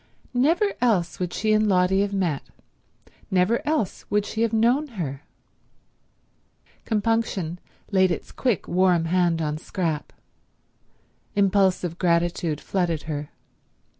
Never else would she and Lotty have met; never else would she have known her. Compunction laid its quick, warm hand on Scrap. Impulsive gratitude flooded her.